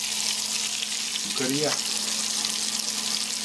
Yukarıya!